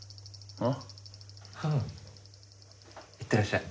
ううん。いってらっしゃい。